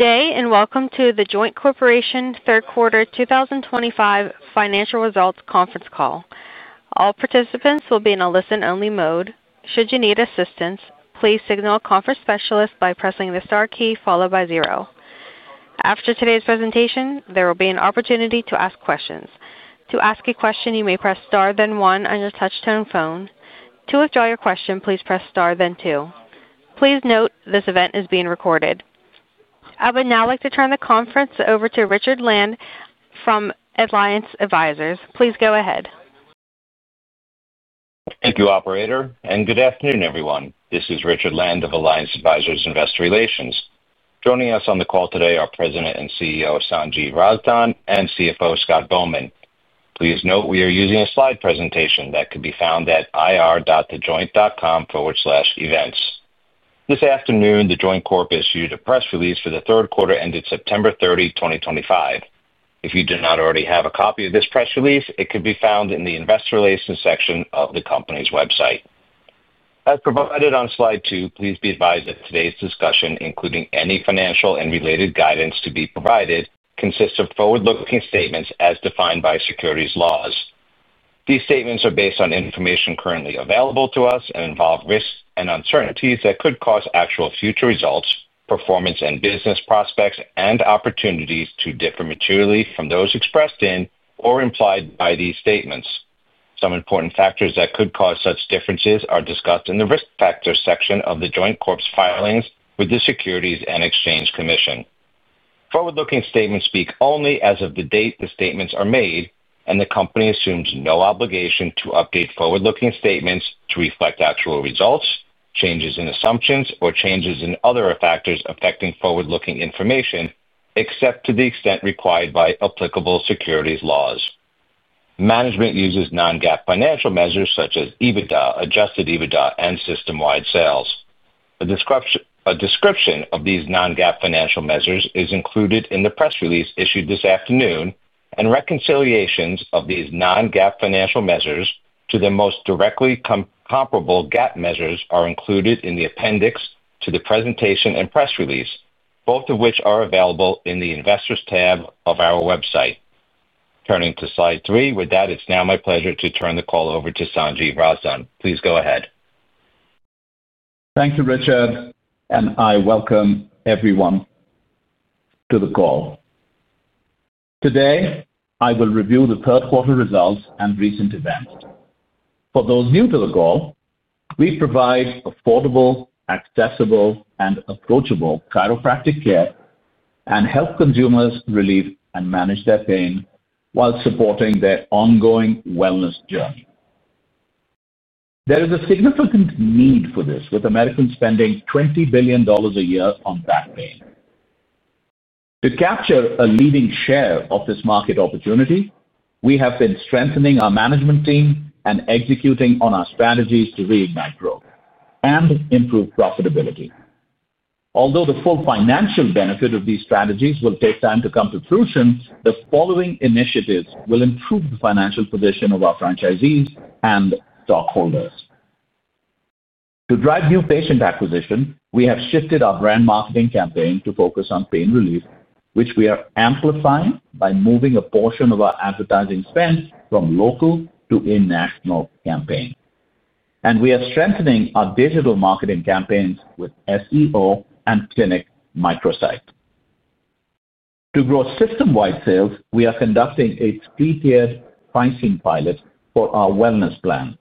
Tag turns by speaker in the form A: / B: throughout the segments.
A: Today, and welcome to The Joint Corporation Third Quarter 2025 Financial Results Conference Call. All participants will be in a listen-only mode. Should you need assistance, please signal a conference specialist by pressing the star key followed by zero. After today's presentation, there will be an opportunity to ask questions. To ask a question, you may press star then one on your touch-tone phone. To withdraw your question, please press star then two. Please note this event is being recorded. I would now like to turn the conference over to Richard Land from Alliance Advisors. Please go ahead.
B: Thank you, operator. Good afternoon, everyone. This is Richard Land of Alliance Advisors Investor Relations. Joining us on the call today are President and CEO Sanjiv Razdan and CFO Scott Bowman. Please note we are using a slide presentation that can be found at ir.thejoint.com/events. This afternoon, The Joint Corp issued a press release for the third quarter ended September 30, 2025. If you do not already have a copy of this press release, it can be found in the Investor Relations section of the company's website. As provided on Slide 2, please be advised that today's discussion, including any financial and related guidance to be provided, consists of forward-looking statements as defined by securities laws. These statements are based on information currently available to us and involve risks and uncertainties that could cause actual future results, performance, and business prospects, and opportunities to differ materially from those expressed in or implied by these statements. Some important factors that could cause such differences are discussed in the Risk Factor section of The Joint Corp's filings with the Securities and Exchange Commission. Forward-looking statements speak only as of the date the statements are made, and the company assumes no obligation to update forward-looking statements to reflect actual results, changes in assumptions, or changes in other factors affecting forward-looking information, except to the extent required by applicable securities laws. Management uses non-GAAP financial measures such as EBITDA, Adjusted EBITDA, and system-wide sales. A description of these non-GAAP financial measures is included in the press release issued this afternoon, and reconciliations of these non-GAAP financial measures to their most directly comparable GAAP measures are included in the appendix to the presentation and press release, both of which are available in the Investors tab of our website. Turning to Slide 3, with that, it's now my pleasure to turn the call over to Sanjiv Razdan. Please go ahead.
C: Thank you, Richard. I welcome everyone to the call. Today, I will review the third-quarter results and recent events. For those new to the call, we provide affordable, accessible, and approachable chiropractic care and help consumers relieve and manage their pain while supporting their ongoing wellness journey. There is a significant need for this, with Americans spending $20 billion a year on back pain. To capture a leading share of this market opportunity, we have been strengthening our management team and executing on our strategies to reignite growth and improve profitability. Although the full financial benefit of these strategies will take time to come to fruition, the following initiatives will improve the financial position of our franchisees and stockholders. To drive new patient acquisition, we have shifted our brand marketing campaign to focus on pain relief, which we are amplifying by moving a portion of our advertising spend from local to national campaigns. We are strengthening our digital marketing campaigns with SEO and clinic microsites. To grow system-wide sales, we are conducting a three-tiered pricing pilot for our wellness plan.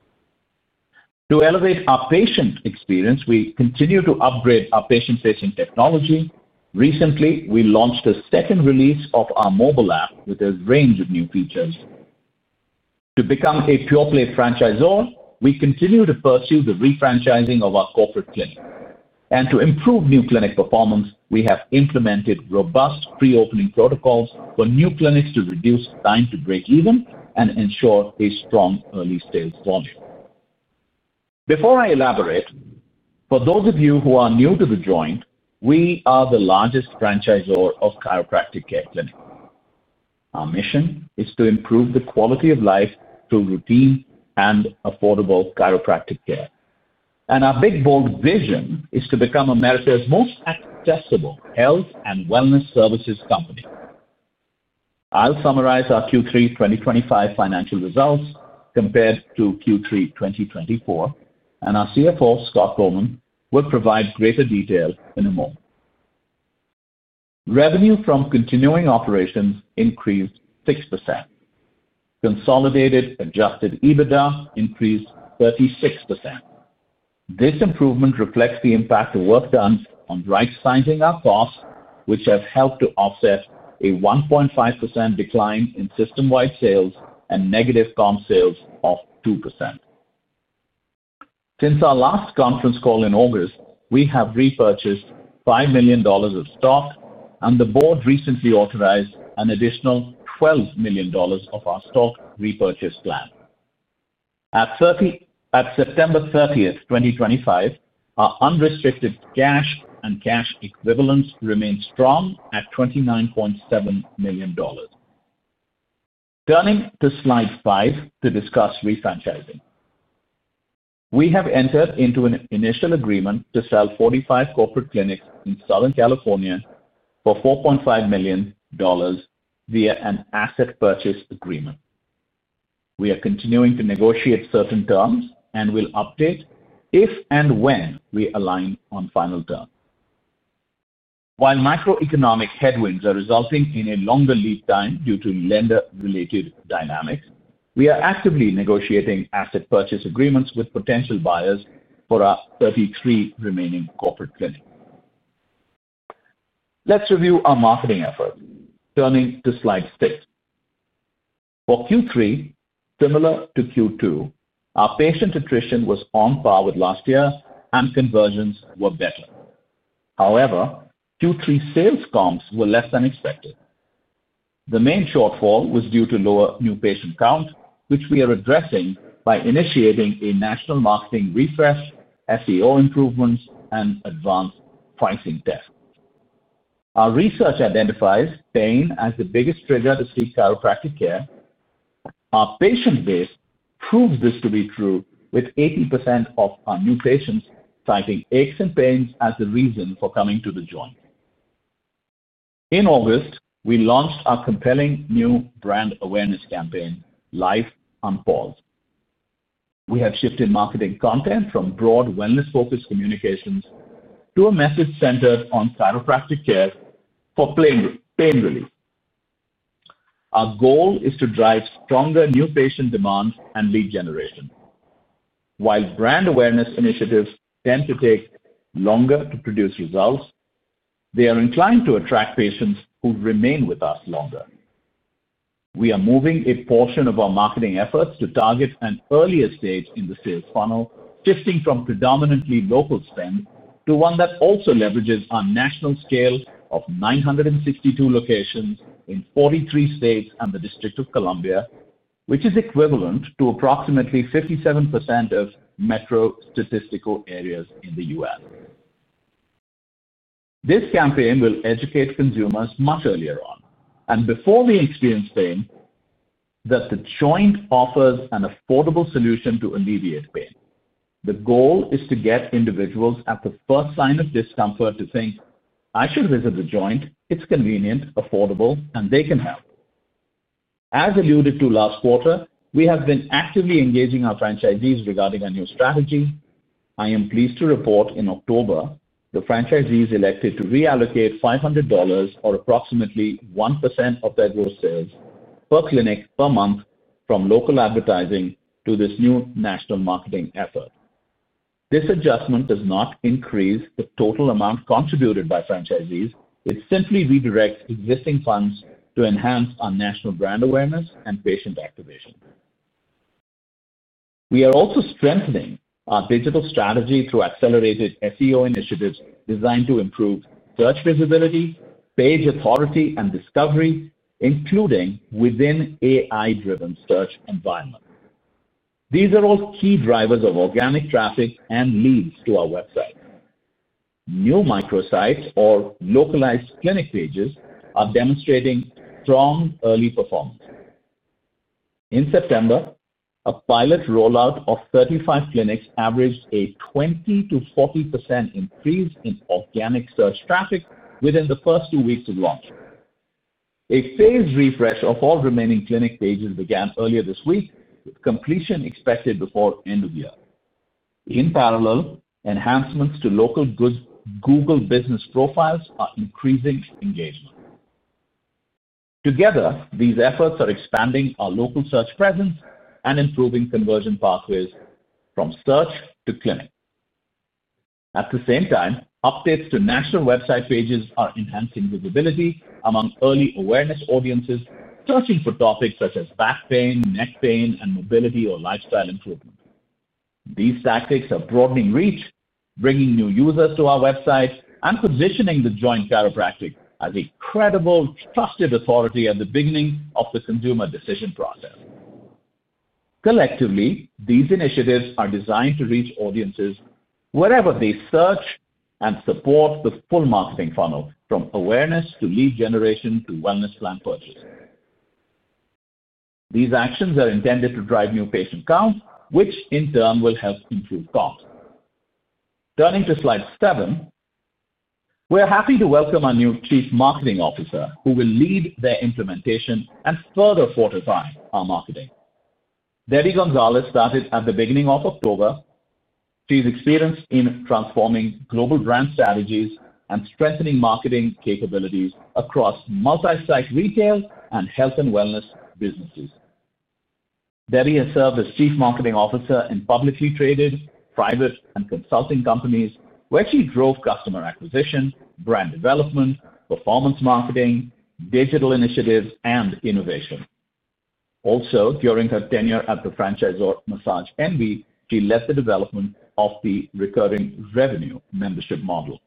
C: To elevate our patient experience, we continue to upgrade our patient-facing technology. Recently, we launched a second release of our mobile app with a range of new features. To become a pure-play franchisor, we continue to pursue the refranchising of our corporate clinic. To improve new clinic performance, we have implemented robust pre-opening protocols for new clinics to reduce time to break even and ensure a strong early sales volume. Before I elaborate, for those of you who are new to The Joint, we are the largest franchisor of chiropractic care clinics. Our mission is to improve the quality of life through routine and affordable chiropractic care. Our big, bold vision is to become America's most accessible health and wellness services company. I'll summarize our Q3 2025 financial results compared to Q3 2024, and our CFO, Scott Bowman, will provide greater detail in a moment. Revenue from continuing operations increased 6%. Consolidated Adjusted EBITDA increased 36%. This improvement reflects the impact of work done on right-sizing our costs, which have helped to offset a 1.5% decline in system-wide sales and negative comp sales of 2%. Since our last conference call in August, we have repurchased $5 million of stock, and the board recently authorized an additional $12 million of our stock repurchase plan. At September 30th, 2025, our unrestricted cash and cash equivalents remain strong at $29.7 million. Turning to Slide 5 to discuss refranchising. We have entered into an initial agreement to sell 45 corporate clinics in Southern California for $4.5 million via an Asset Purchase Agreement. We are continuing to negotiate certain terms and will update if and when we align on final terms. While microeconomic headwinds are resulting in a longer lead time due to lender-related dynamics, we are actively negotiating Asset Purchase Agreements with potential buyers for our 33 remaining corporate clinics. Let's review our marketing efforts. Turning to Slide 6. For Q3, similar to Q2, our patient attrition was on par with last year, and conversions were better. However, Q3 sales comps were less than expected. The main shortfall was due to lower new patient count, which we are addressing by initiating a national marketing refresh, SEO improvements, and advanced pricing tests. Our research identifies pain as the biggest trigger to seek chiropractic care. Our patient base proves this to be true, with 80% of our new patients citing aches and pains as the reason for coming to The Joint. In August, we launched our compelling new brand awareness campaign, Life Unpaused. We have shifted marketing content from broad wellness-focused communications to a message centered on chiropractic care for pain relief. Our goal is to drive stronger new patient demand and lead generation. While brand awareness initiatives tend to take longer to produce results, they are inclined to attract patients who remain with us longer We are moving a portion of our marketing efforts to target an earlier stage in the sales funnel, shifting from predominantly local spend to one that also leverages our national scale of 962 locations in 43 states and the District of Columbia, which is equivalent to approximately 57% of Metro Statistical Areas in the U.S. This campaign will educate consumers much earlier on and before they experience pain. That The Joint offers an affordable solution to alleviate pain. The goal is to get individuals at the first sign of discomfort to think, "I should visit The Joint. It's convenient, affordable, and they can help." As alluded to last quarter, we have been actively engaging our franchisees regarding our new strategy. I am pleased to report in October the franchisees elected to reallocate $500, or approximately 1% of their gross sales per clinic per month, from local advertising to this new national marketing effort. This adjustment does not increase the total amount contributed by franchisees. It simply redirects existing funds to enhance our national brand awareness and patient activation. We are also strengthening our digital strategy through accelerated SEO initiatives designed to improve search visibility, page authority, and discovery, including within AI-driven search environments. These are all key drivers of organic traffic and leads to our website. New microsites, or localized clinic pages, are demonstrating strong early performance. In September, a pilot rollout of 35 clinics averaged a 20%-40% increase in organic search traffic within the first two weeks of launch. A phased refresh of all remaining clinic pages began earlier this week, with completion expected before the end of the year. In parallel, enhancements to local Google Business Profiles are increasing engagement. Together, these efforts are expanding our local search presence and improving conversion pathways from search to clinic. At the same time, updates to national website pages are enhancing visibility among early awareness audiences searching for topics such as back pain, neck pain, and mobility or lifestyle improvement. These tactics are broadening reach, bringing new users to our website, and positioning The Joint Corp as a credible, trusted authority at the beginning of the consumer decision process. Collectively, these initiatives are designed to reach audiences wherever they search and support the full marketing funnel, from awareness to lead generation to Wellness Plan purchase. These actions are intended to drive new patient counts, which in turn will help improve comps. Turning to Slide 7. We're happy to welcome our new Chief Marketing Officer, who will lead their implementation and further fortify our marketing. Debbie Gonzalez started at the beginning of October. She's experienced in transforming global brand strategies and strengthening marketing capabilities across multi-site retail and health and wellness businesses. Debbie has served as Chief Marketing Officer in publicly traded, private, and consulting companies, where she drove customer acquisition, brand development, performance marketing, digital initiatives, and innovation. Also, during her tenure at the franchisor Massage Envy, she led the development of the recurring revenue membership model.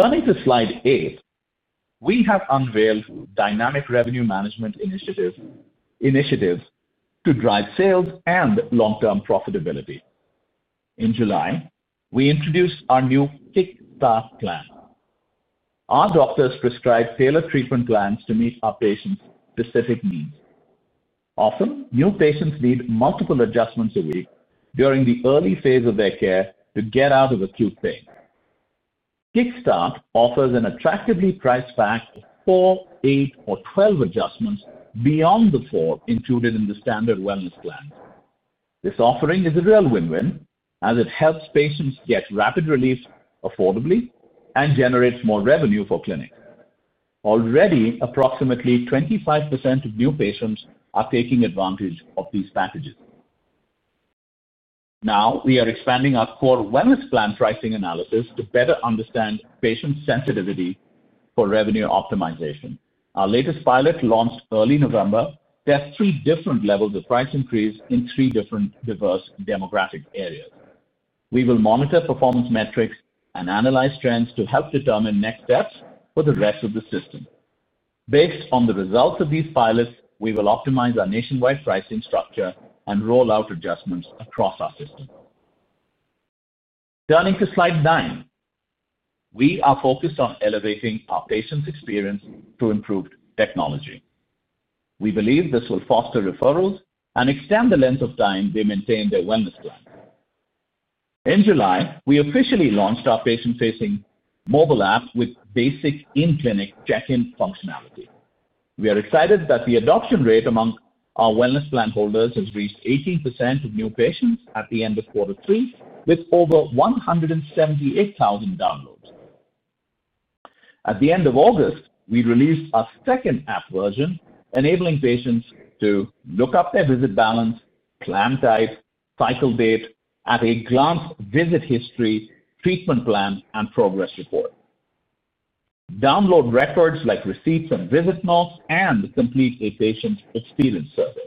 C: Turning to slide eight, we have unveiled dynamic revenue management initiatives to drive sales and long-term profitability. In July, we introduced our new Kickstart Plan. Our doctors prescribe tailored treatment plans to meet our patients' specific needs. Often, new patients need multiple adjustments a week during the early phase of their care to get out of acute pain. Kickstart offers an attractively priced pack of four, eight, or twelve adjustments beyond the four included in the standard Wellness Plan. This offering is a real win-win, as it helps patients get rapid relief affordably and generates more revenue for clinics. Already, approximately 25% of new patients are taking advantage of these packages. Now, we are expanding our core Wellness Plan pricing analysis to better understand patient sensitivity for revenue optimization. Our latest pilot, launched early November, tests three different levels of price increase in three different diverse demographic areas. We will monitor performance metrics and analyze trends to help determine next steps for the rest of the system. Based on the results of these pilots, we will optimize our nationwide pricing structure and rollout adjustments across our system. Turning to Slide 9. We are focused on elevating our patients' experience through improved technology. We believe this will foster referrals and extend the length of time they maintain their Wellness Plan. In July, we officially launched our patient-facing mobile app with basic in-clinic check-in functionality. We are excited that the adoption rate among our Wellness Plan holders has reached 18% of new patients at the end of Quarter Three, with over 178,000 downloads. At the end of August, we released our second app version, enabling patients to look up their visit balance, plan type, cycle date, at-a-glance visit history, treatment plan, and progress report. Download records like receipts and visit notes, and complete a patient experience survey.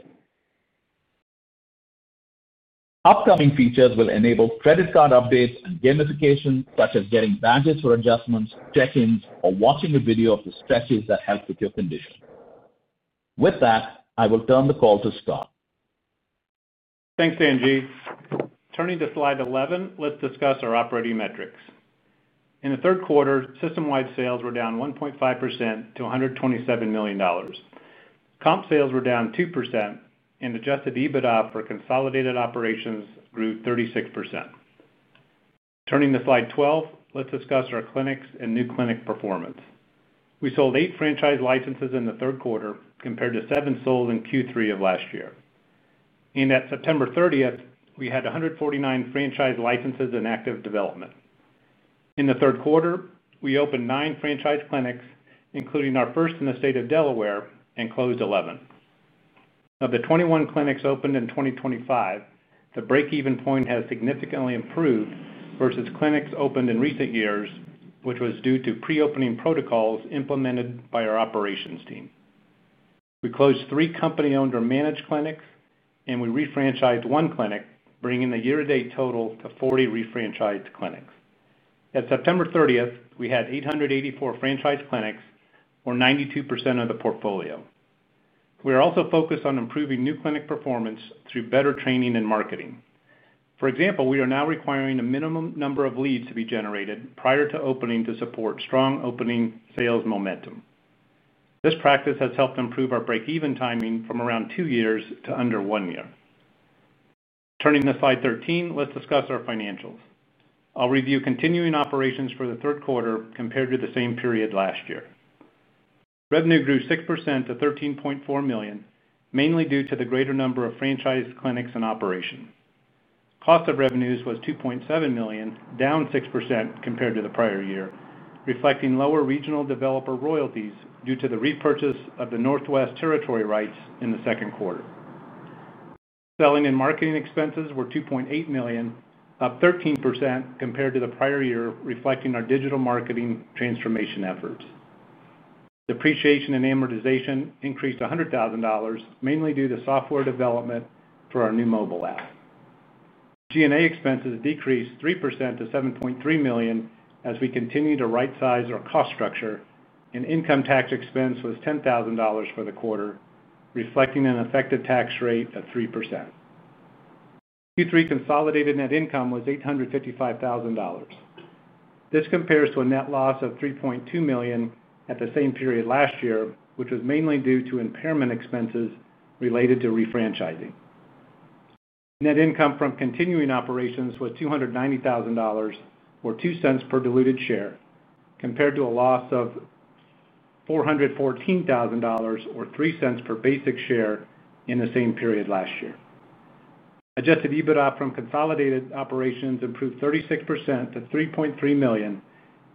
C: Upcoming features will enable credit card updates and gamification, such as getting badges for adjustments, check-ins, or watching a video of the stretches that help with your condition. With that, I will turn the call to Scott.
D: Thanks, Sanjiv. Turning to Slide 11, let's discuss our operating metrics. In the third quarter, system-wide sales were down 1.5% to $127 million. Comp sales were down 2%, and Adjusted EBITDA for consolidated operations grew 36%. Turning to Slide 12, let's discuss our clinics and new clinic performance. We sold eight franchise licenses in the third quarter, compared to seven sold in Q3 of last year. At September 30th, we had 149 franchise licenses in active development. In the third quarter, we opened nine franchise clinics, including our first in the state of Delaware, and closed 11. Of the 21 clinics opened in 2025, the break-even point has significantly improved versus clinics opened in recent years, which was due to pre-opening protocols implemented by our operations team. We closed three company-owned or managed clinics, and we refranchised one clinic, bringing the year-to-date total to 40 refranchised clinics. At September 30th, we had 884 franchise clinics, or 92% of the portfolio. We are also focused on improving new clinic performance through better training and marketing. For example, we are now requiring a minimum number of leads to be generated prior to opening to support strong opening sales momentum. This practice has helped improve our break-even timing from around two years to under one year. Turning to Slide 13, let's discuss our financials. I'll review continuing operations for the third quarter compared to the same period last year. Revenue grew 6% to $13.4 million, mainly due to the greater number of franchise clinics in operation. Cost of revenues was $2.7 million, down 6% compared to the prior year, reflecting lower regional developer royalties due to the repurchase of the Northwest Territory rights in the second quarter. Selling and marketing expenses were $2.8 million, up 13% compared to the prior year, reflecting our digital marketing transformation efforts. Depreciation and amortization increased $100,000, mainly due to software development for our new mobile app. G&A expenses decreased 3% to $7.3 million as we continue to right-size our cost structure, and income tax expense was $10,000 for the quarter, reflecting an effective tax rate of 3%. Q3 consolidated net income was $855,000. This compares to a net loss of $3.2 million at the same period last year, which was mainly due to impairment expenses related to refranchising. Net income from continuing operations was $290,000, or 2 cents per diluted share, compared to a loss of. $414,000, or 3 cents per basic share in the same period last year. Adjusted EBITDA from consolidated operations improved 36% to $3.3 million,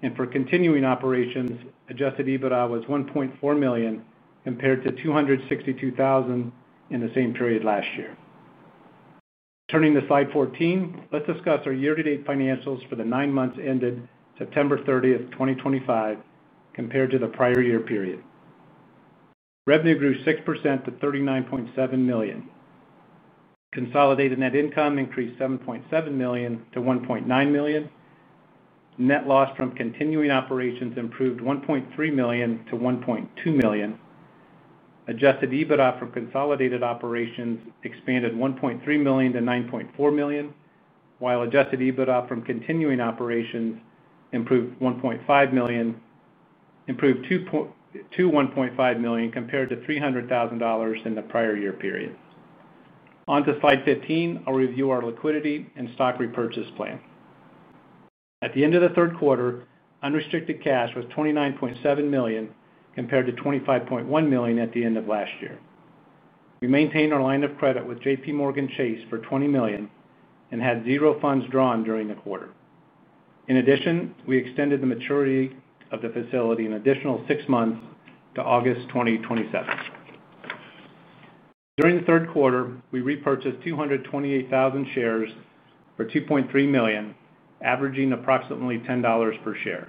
D: and for continuing operations, Adjusted EBITDA was $1.4 million compared to $262,000 in the same period last year. Turning to Slide 14, let's discuss our year-to-date financials for the nine months ended September 30, 2025, compared to the prior year period. Revenue grew 6% to $39.7 million. Consolidated net income increased $7.7 million to $1.9 million. Net loss from continuing operations improved $1.3 million to $1.2 million. Adjusted EBITDA from consolidated operations expanded $1.3 million to $9.4 million, while Adjusted EBITDA from continuing operations improved $1.5 million, improved $21.5 million compared to $300,000 in the prior year period. Onto slide 15, I'll review our liquidity and stock repurchase plan. At the end of the third quarter, unrestricted cash was $29.7 million compared to $25.1 million at the end of last year. We maintained our line of credit with J.P. Morgan Chase for $20 million and had zero funds drawn during the quarter. In addition, we extended the maturity of the facility an additional six months to August 2027. During the third quarter, we repurchased 228,000 shares for $2.3 million, averaging approximately $10 per share.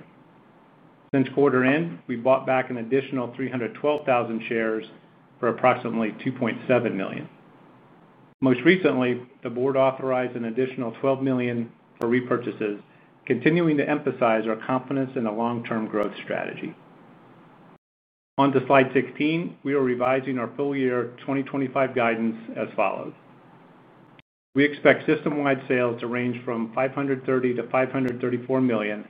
D: Since quarter end, we bought back an additional 312,000 shares for approximately $2.7 million. Most recently, the board authorized an additional $12 million for repurchases, continuing to emphasize our confidence in the long-term growth strategy. Onto Slide 16, we are revising our full year 2025 guidance as follows. We expect system-wide sales to range from $530-$534 million,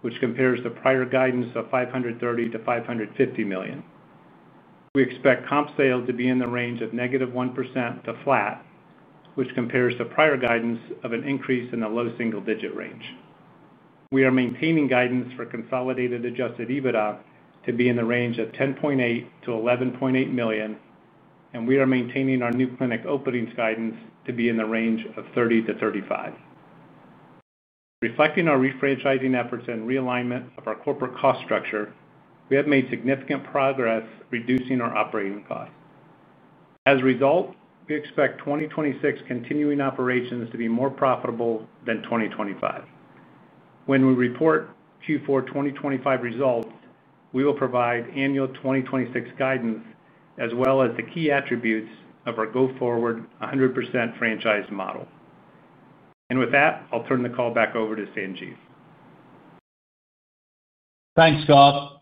D: which compares to prior guidance of $530-$550 million. We expect comp sales to be in the range of -1% to flat, which compares to prior guidance of an increase in the low single-digit range. We are maintaining guidance for Consolidated Adjusted EBITDA to be in the range of $10.8-$11.8 million, and we are maintaining our new clinic openings guidance to be in the range of 30-35. Reflecting our refranchising efforts and realignment of our corporate cost structure, we have made significant progress reducing our operating costs. As a result, we expect 2026 continuing operations to be more profitable than 2025. When we report Q4 2025 results, we will provide annual 2026 guidance as well as the key attributes of our go-forward 100% franchised model. I'll turn the call back over to Sanjiv.
C: Thanks, Scott.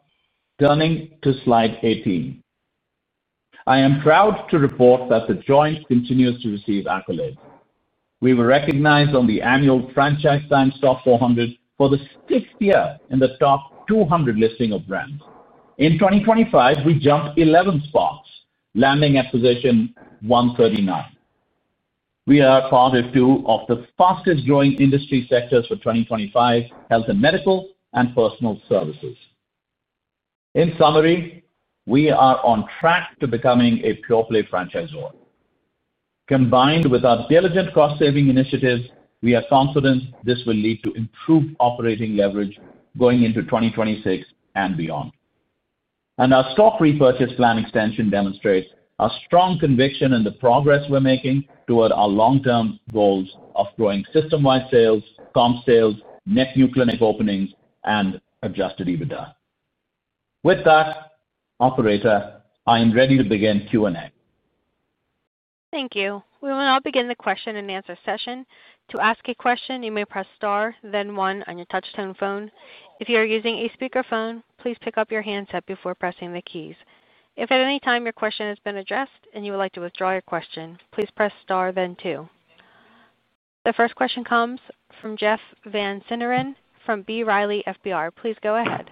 C: Turning to Slide 18. I am proud to report that The Joint continues to receive accolades. We were recognized on the annual Franchise Times Top 400 for the sixth year in the top 200 listing of brands. In 2025, we jumped 11 spots, landing at position 139. We are part of two of the fastest-growing industry sectors for 2025: health and medical and personal services. In summary, we are on track to becoming a pure-play franchisor. Combined with our diligent cost-saving initiatives, we are confident this will lead to improved operating leverage going into 2026 and beyond. Our stock repurchase plan extension demonstrates our strong conviction in the progress we're making toward our long-term goals of growing system-wide sales, comp sales, net new clinic openings, and Adjusted EBITDA. With that. Operator, I am ready to begin Q&A.
A: Thank you. We will now begin the question and answer session. To ask a question, you may press star, then one on your touch-tone phone. If you are using a speakerphone, please pick up your handset before pressing the keys. If at any time your question has been addressed and you would like to withdraw your question, please press star, then two. The first question comes from Jeff Van Sinderen from B. Riley FBR. Please go ahead.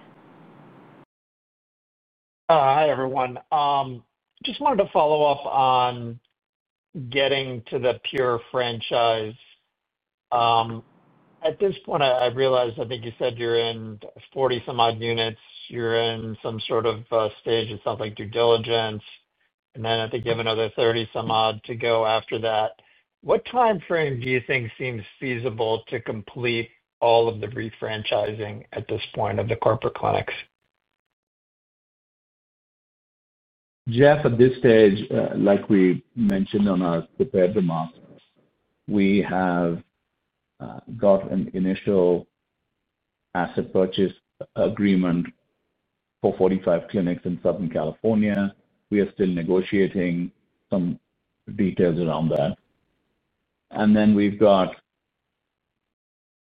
E: Hi, everyone. I just wanted to follow up on getting to the pure franchise. At this point, I realize I think you said you're in 40-some-odd units. You're in some sort of stage, it sounds like, due diligence. And then I think you have another 30-some-odd to go after that. What time frame do you think seems feasible to complete all of the refranchising at this point of the corporate clinics? Jeff, at this stage, like we mentioned on our prepared remarks, we have got an initial Asset Purchase Agreement for 45 clinics in Southern California.
C: We are still negotiating some details around that. Then we've got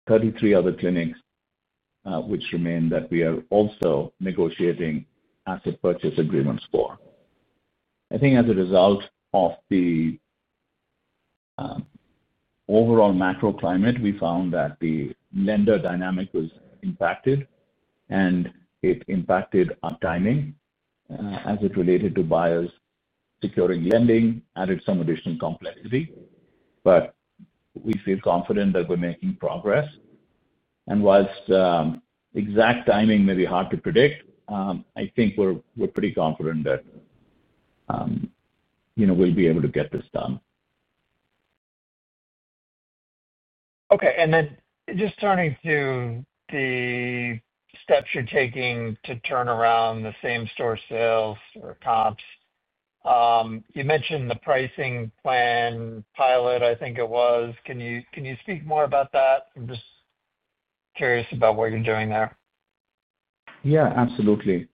C: 33 other clinics which remain that we are also negotiating Asset Purchase Agreements for. I think as a result of the overall macro climate, we found that the lender dynamic was impacted, and it impacted our timing. As it related to buyers securing lending, it added some additional complexity. We feel confident that we're making progress. Whilst exact timing may be hard to predict, I think we're pretty confident that we'll be able to get this done.
E: Okay. Just turning to the steps you're taking to turn around the same-store sales or comps. You mentioned the pricing plan pilot, I think it was. Can you speak more about that? I'm just curious about what you're doing there.
C: Yeah, absolutely.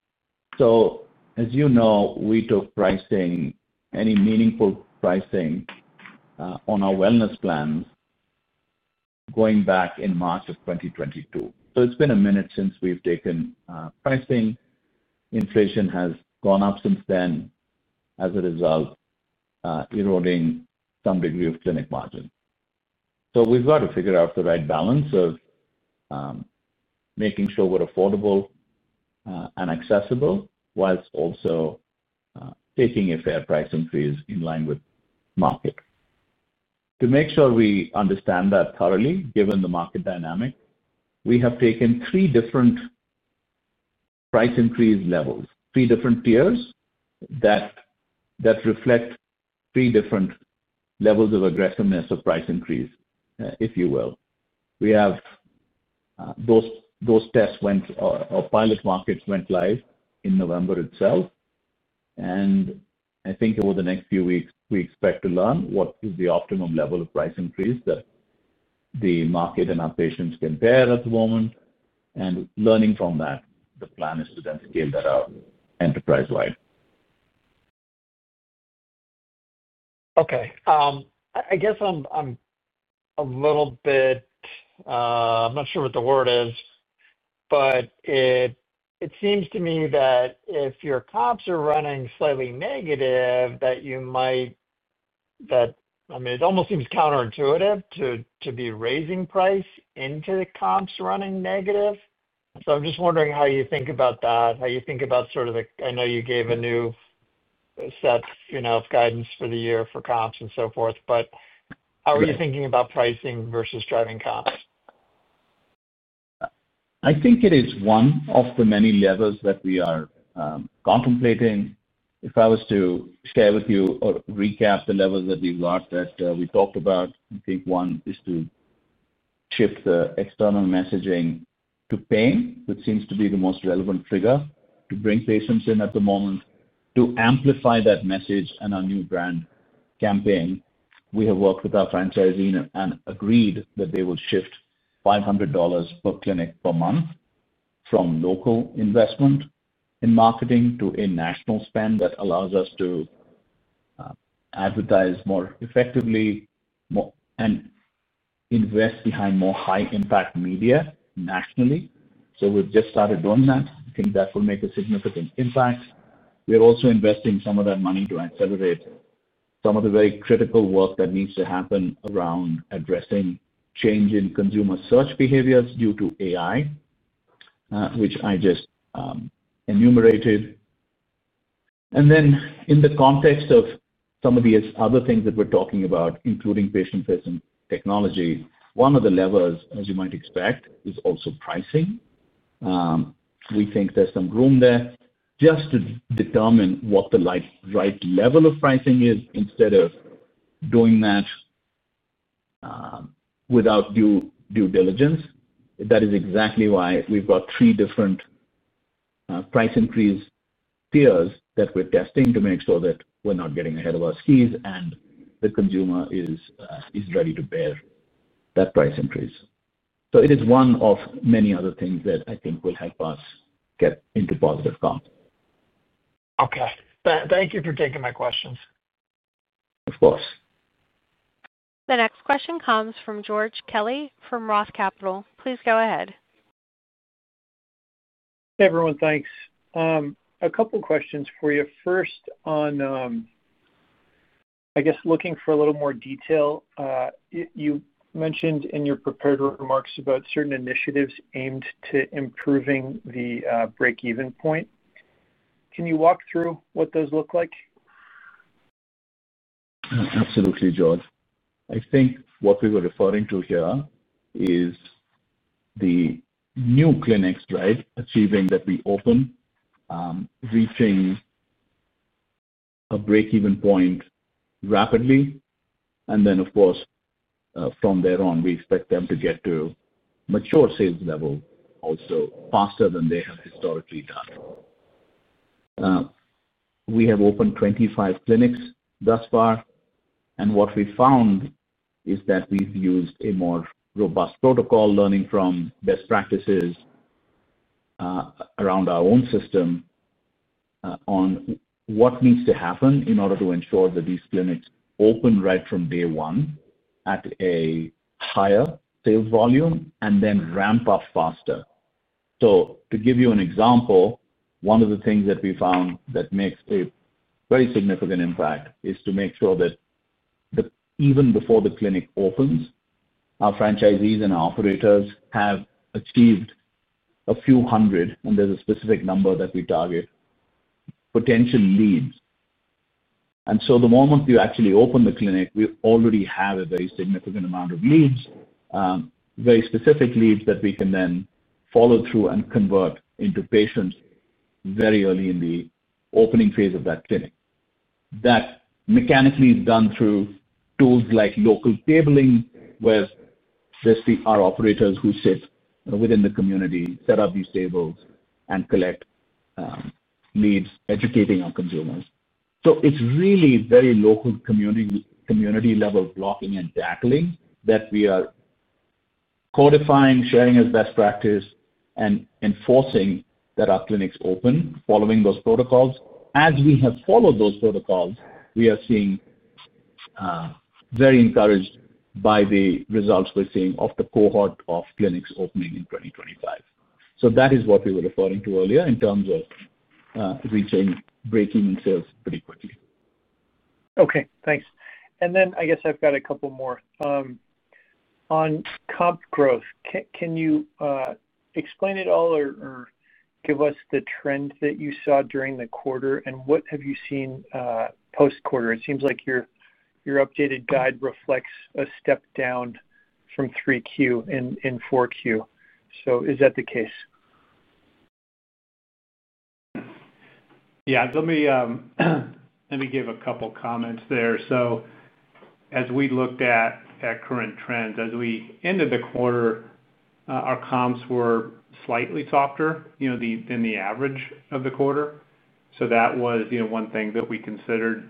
C: As you know, we took pricing, any meaningful pricing, on our wellness plans. Going back in March of 2022. It's been a minute since we've taken pricing. Inflation has gone up since then as a result, eroding some degree of clinic margin. We've got to figure out the right balance of making sure we're affordable and accessible whilst also taking a fair price increase in line with market. To make sure we understand that thoroughly, given the market dynamic, we have taken three different price increase level, three different tier that reflects three different levels of aggressiveness of price increase, if you will. Those tests or pilot markets went live in November itself. I think over the next few weeks, we expect to learn what is the optimum level of price increase that the market and our patients can bear at the moment. Learning from that, the plan is to then scale the out enterprise-wide.
E: I guess I'm a little bit. I'm not sure what the word is, but. It seems to me that if your comps are running slightly negative, that you might. I mean, it almost seems counterintuitive to be raising price into the comps running negative. I'm just wondering how you think about that, how you think about sort of the, I know you gave a new set of guidance for the year for comps and so forth, but how are you thinking about pricing versus driving comps?
C: I think it is one of the many levels that we are contemplating. If I was to share with you or recap the levels that we've got that we talked about, I think one is to shift the external messaging to pain, which seems to be the most relevant trigger to bring patients in at the moment. To amplify that message and our new brand campaign, we have worked with our franchisee and agreed that they will shift $500 per clinic per month from local investment in marketing to a national spend that allows us to advertise more effectively. We invest behind more high-impact media nationally. We have just started doing that. I think that will make a significant impact. We are also investing some of that money to accelerate some of the very critical work that needs to happen around addressing change in consumer search behaviors due to AI, which I just enumerated. In the context of some of the other things that we are talking about, including patient-facing technology, one of the levers, as you might expect, is also pricing. We think there is some room there just to determine what the right level of pricing is instead of doing that without due diligence. That is exactly why we've got three different price increase tiers that we're testing to make sure that we're not getting ahead of our skis and the consumer is ready to bear that price increase. It is one of many other things that I think will help us get into positive comp.
E: Okay. Thank you for taking my questions.
C: Of course.
A: The next question comes from George Kelly from Roth Capital. Please go ahead.
F: Hey, everyone. Thanks. A couple of questions for you. First, on, I guess, looking for a little more detail. You mentioned in your prepared remarks about certain initiatives aimed to improving the break-even point. Can you walk through what those look like? Absolutely, George. I think what we were referring to here is the new clinics, right, achieving that we open, reaching a break-even point rapidly, and then, of course. From there on, we expect them to get to mature sales level also faster than they have historically done. We have opened 25 clinics thus far, and what we found is that we've used a more robust protocol, learning from best practices around our own system on what needs to happen in order to ensure that these clinics open right from day one at a higher sales volume and then ramp up faster. To give you an example, one of the things that we found that makes a very significant impact is to make sure that even before the clinic opens, our franchisees and our operators have achieved a few hundred, and there's a specific number that we target, potential leads. The moment you actually open the clinic, we already have a very significant amount of leads. Very specific leads that we can then follow through and convert into patients very early in the opening phase of that clinic. That mechanically is done through tools like local tabling, where there are operators who sit within the community, set up these tables, and collect leads, educating our consumers. It is really very local community-level blocking and tackling that we are codifying, sharing as best practice, and enforcing that our clinics open following those protocols. As we have followed those protocols, we are very encouraged by the results we are seeing of the cohort of clinics opening in 2025. That is what we were referring to earlier in terms of reaching break-even sales pretty quickly. Okay. Thanks. I guess I have got a couple more. On Comp growth, can you. Explain it all or give us the trend that you saw during the quarter, and what have you seen post-quarter? It seems like your updated guide reflects a step down from Q3 in Q4. Is that the case?
D: Yeah. Let me give a couple of comments there. As we looked at current trends, as we ended the quarter, our Comps were slightly softer than the average of the quarter. That was one thing that we considered.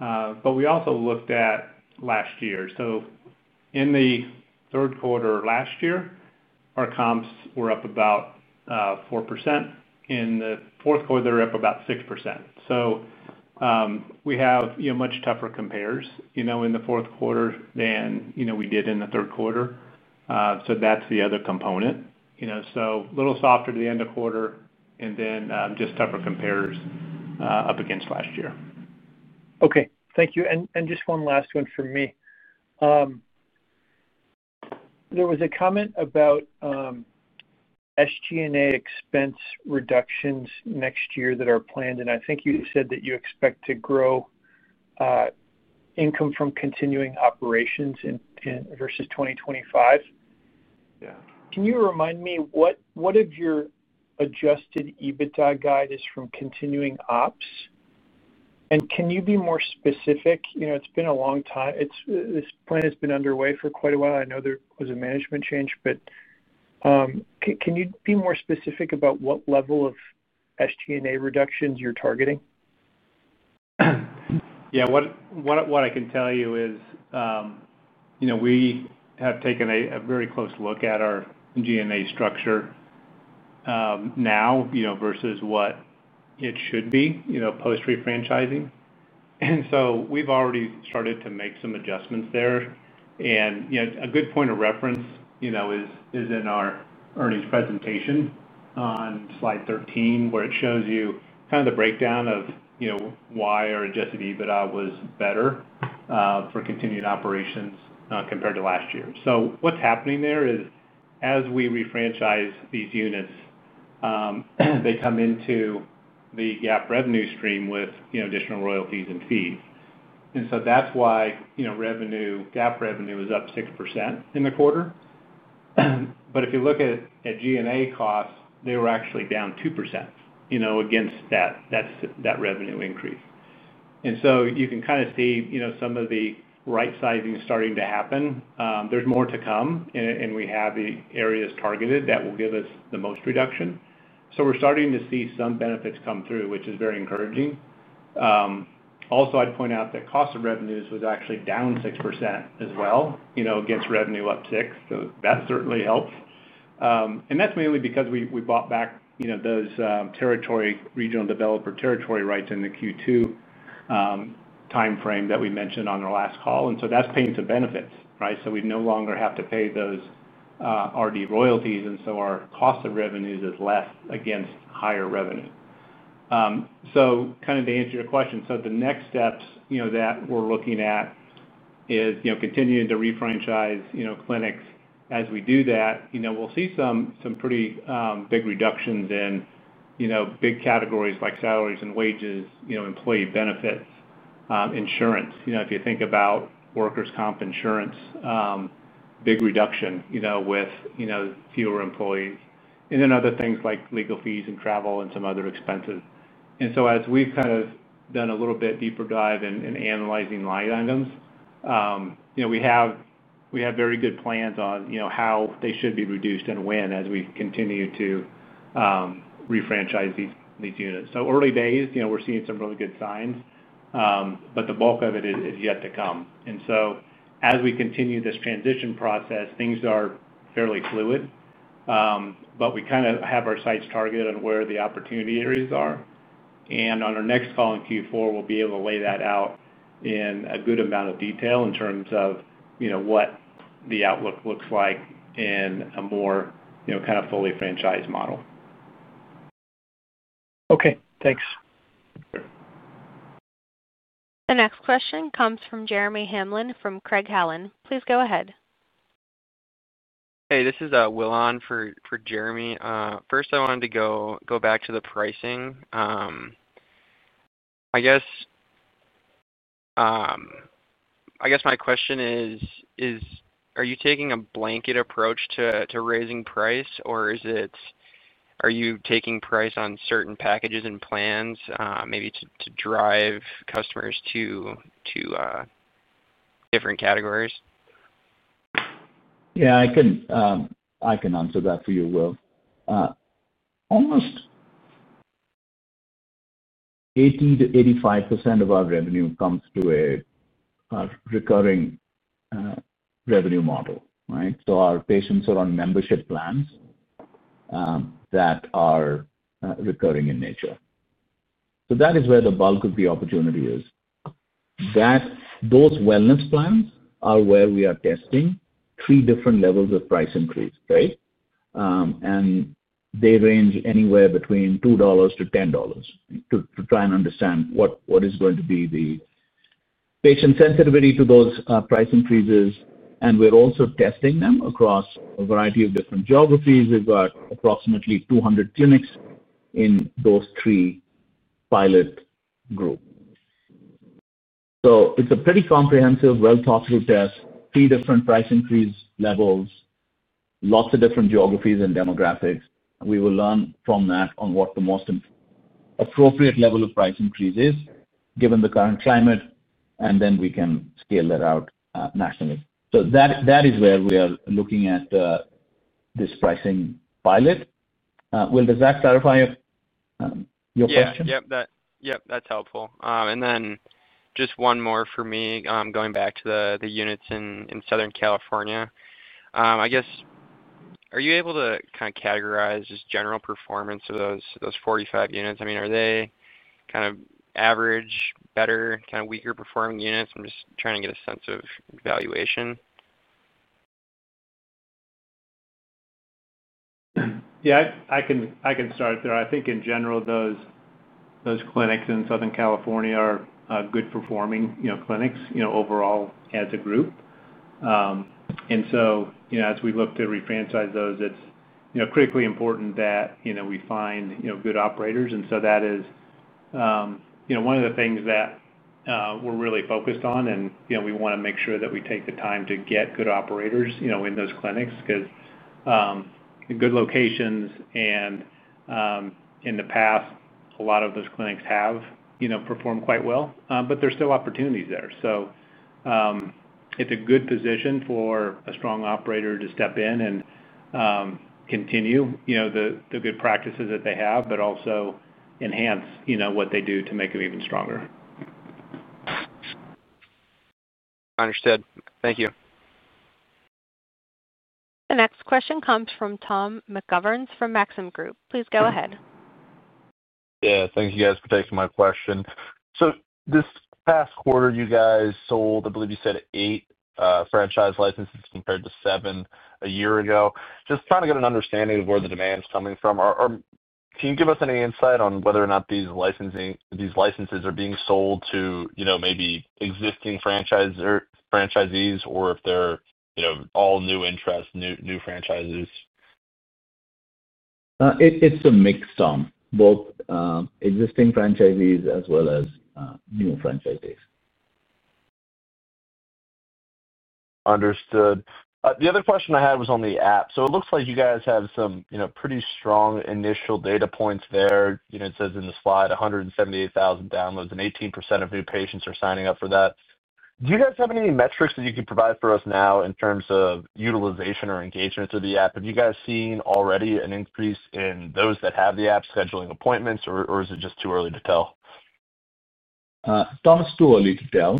D: We also looked at last year. In the third quarter last year, our Comps were up about 4%. In the fourth quarter, they were up about 6%. We have a much tougher comparison in the fourth quarter than we did in the third quarter. That is the other component. A little softer to the end of quarter, and then just tougher comparison up against last year.
F: Okay. Thank you. And just one last one for me. There was a comment about SG&A expense reductions next year that are planned, and I think you said that you expect to grow income from continuing operations versus 2025. Can you remind me what of your Adjusted EBITDA guide is from continuing ops? And can you be more specific? It's been a long time. This plan has been underway for quite a while. I know there was a management change, but can you be more specific about what level of SG&A reductions you're targeting?
D: Yeah. What I can tell you is we have taken a very close look at our G&A structure now versus what it should be post-refranchising. And so we've already started to make some adjustments there. And a good point of reference. Is in our earnings presentation on Slide 13, where it shows you kind of the breakdown of why our Adjusted EBITDA was better for continued operations compared to last year. What is happening there is, as we refranchise these units, they come into the GAAP revenue stream with additional royalties and fees. That is why GAAP revenue is up 6% in the quarter. If you look at G&A costs, they were actually down 2% against that revenue increase. You can kind of see some of the right-sizing starting to happen. There is more to come, and we have the areas targeted that will give us the most reduction. We are starting to see some benefits come through, which is very encouraging. Also, I would point out that cost of revenues was actually down 6% as well against revenue up 6%. That certainly helps. That's mainly because we bought back those regional developer territory rights in the Q2 timeframe that we mentioned on our last call. That's paying some benefits, right? We no longer have to pay those RD royalties, and our cost of revenues is less against higher revenue. Kind of to answer your question, the next steps that we're looking at is continuing to refranchise clinics. As we do that, we'll see some pretty big reductions in big categories like salaries and wages, employee benefits, insurance. If you think about workers' comp insurance, big reduction with fewer employees. Then other things like legal fees and travel and some other expenses. As we've kind of done a little bit deeper dive and analyzing line items, we have very good plans on how they should be reduced and when as we continue to. Refranchise these units. Early days, we're seeing some really good signs. The bulk of it is yet to come. As we continue this transition process, things are fairly fluid. We kind of have our sights targeted on where the opportunity areas are. On our next call in Q4, we'll be able to lay that out in a good amount of detail in terms of what the outlook looks like in a more kind of fully franchised model.
F: Okay. Thanks.
A: The next question comes from Jeremy Hamblin from Craig-Hallum. Please go ahead. Hey, this is Will in for Jeremy. First, I wanted to go back to the pricing. I guess my question is, are you taking a blanket approach to raising price, or are you taking price on certain packages and plans maybe to drive customers to different categories?
C: Yeah. I can. Answer that for you, Will. Almost 80%-85% of our revenue comes to a recurring revenue model, right? So our patients are on membership plans that are recurring in nature. That is where the bulk of the opportunity is. Those Wellness Plans are where we are testing three different levels of price increase, right? They range anywhere between $2-$10 to try and understand what is going to be the patient sensitivity to those price increases. We are also testing them across a variety of different geographies. We have got approximately 200 clinics in those three pilot groups. It is a pretty comprehensive, well-thought-through test, three different price increase levels, lots of different geographies and demographics. We will learn from that on what the most appropriate level of price increase is given the current climate, and then we can scale that out nationally. That is where we are looking at this pricing pilot. Will, does that clarify your question? Yep. Yep. Yep. That's helpful. Just one more for me, going back to the units in Southern California. I guess, are you able to kind of categorize just general performance of those 45 units? I mean, are they kind of average, better, kind of weaker-performing units? I'm just trying to get a sense of valuation.
D: Yeah. I can start there. I think, in general, those clinics in Southern California are good-performing clinics overall as a group. As we look to refranchise those, it's critically important that we find good operators. That is one of the things that we're really focused on, and we want to make sure that we take the time to get good operators in those clinics because good locations and. In the past, a lot of those clinics have performed quite well, but there's still opportunities there. It's a good position for a strong operator to step in and continue the good practices that they have, but also enhance what they do to make them even stronger. Understood. Thank you.
A: The next question comes from Tom McGovern from Maxim Group. Please go ahead.
G: Yeah. Thank you, guys, for taking my question. This past quarter, you guys sold, I believe you said, eight franchise licenses compared to seven a year ago. Just trying to get an understanding of where the demand's coming from. Can you give us any insight on whether or not these licenses are being sold to maybe existing franchisees or if they're all new interests, new franchises?
C: It's a mix, Tom, both existing franchisees as well as new franchisees.
G: Understood. The other question I had was on the app. It looks like you guys have some pretty strong initial data points there. It says in the slide, 178,000 downloads, and 18% of new patients are signing up for that. Do you guys have any metrics that you can provide for us now in terms of utilization or engagement through the app? Have you guys seen already an increase in those that have the app scheduling appointments, or is it just too early to tell?
C: Tom, it's too early to tell.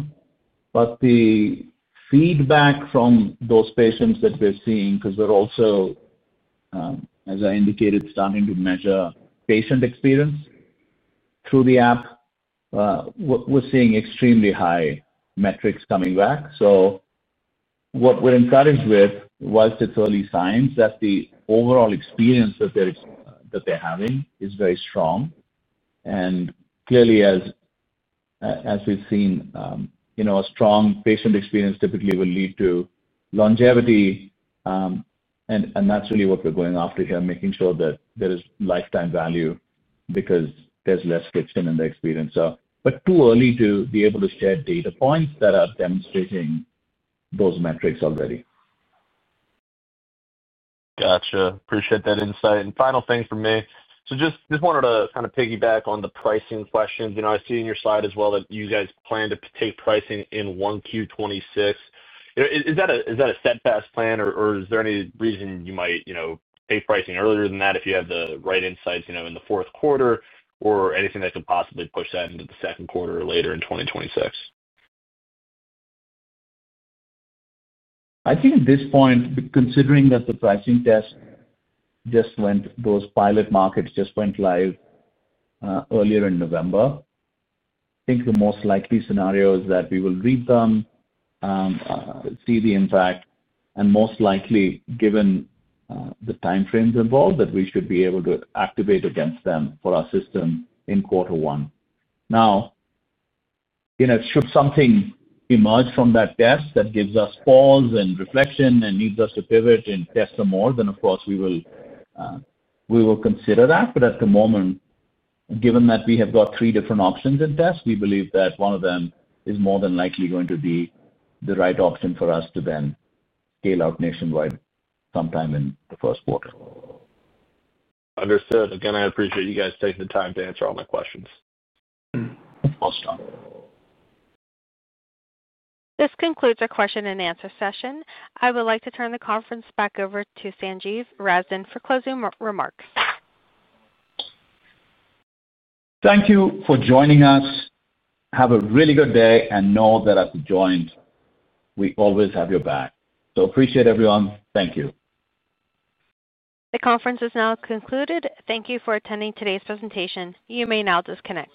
C: The feedback from those patients that we're seeing, because we're also, as I indicated, starting to measure patient experience through the app, we're seeing extremely high metrics coming back. We're encouraged with, whilst it's early signs, that the overall experience that they're having is very strong. Clearly, as we've seen. A strong patient experience typically will lead to longevity. That is really what we are going after here, making sure that there is lifetime value because there is less friction in the experience. It is too early to be able to share data points that are demonstrating those metrics already.
G: Gotcha. Appreciate that insight. Final thing for me. I just wanted to kind of piggyback on the pricing questions. I see in your slide as well that you guys plan to take pricing in Q1 2026. Is that a steadfast plan, or is there any reason you might take pricing earlier than that if you have the right insights in the fourth quarter or anything that could possibly push that into the second quarter or later in 2026?
C: I think at this point, considering that the pricing test just went—those pilot markets just went live earlier in November. I think the most likely scenario is that we will read them. See the impact, and most likely, given the timeframes involved, that we should be able to activate against them for our system in quarter one. Now, should something emerge from that test that gives us pause and reflection and needs us to pivot and test some more, then, of course, we will consider that. At the moment, given that we have got three different options in test, we believe that one of them is more than likely going to be the right option for us to then scale out nationwide sometime in the first quarter.
G: Understood. Again, I appreciate you guys taking the time to answer all my questions.
C: Of course, Tom.
A: This concludes our question-and-answer session. I would like to turn the conference back over to Sanjiv Razdan for closing remarks.
C: Thank you for joining us. Have a really good day and know that at The Joint, we always have your back. So appreciate everyone. Thank you. The conference is now concluded. Thank you for attending today's presentation. You may now disconnect.